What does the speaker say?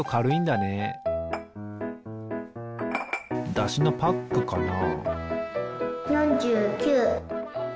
だしのパックかな？